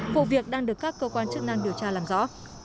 vụ việc đang được các cơ quan chức năng điều tra làm rõ